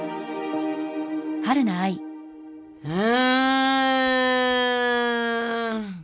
うん。